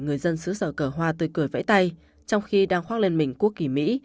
người dân xứ sở cờ hoa tươi cười vẫy tay trong khi đang khoác lên mình quốc kỳ mỹ